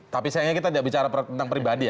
tapi sayangnya kita tidak bicara tentang pribadi ya